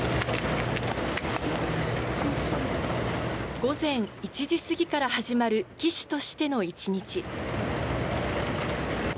午前１時過ぎから始まる騎手としての一日。